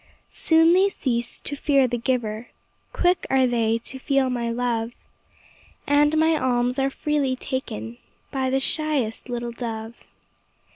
Soon they cease to fear the giver, Quick are they to feel my love, And my alms are freely taken By the shyest little dove.